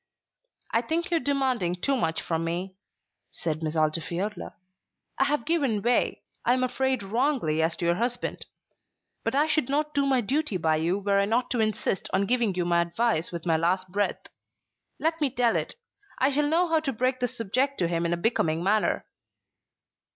"I think you are demanding too much from me," said Miss Altifiorla. "I have given way, I am afraid wrongly as to your husband. But I should not do my duty by you were I not to insist on giving you my advice with my last breath. Let me tell it. I shall know how to break the subject to him in a becoming manner."